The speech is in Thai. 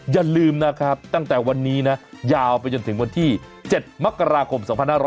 อย่าลืมนะครับตั้งแต่วันนี้นะยาวไปจนถึงวันที่๗มกราคม๒๕๖๐